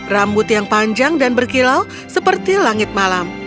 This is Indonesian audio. rambut yang panjang dan berkilau seperti langit malam